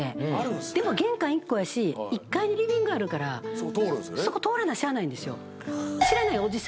でも玄関１個やし１階にリビングあるからそこ通らなしゃあないんですよ。